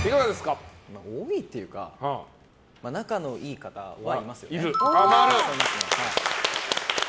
多いっていうか仲のいい方はいますよね。